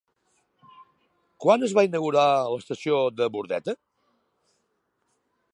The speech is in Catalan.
Quan es va inaugurar l'estació de Bordeta?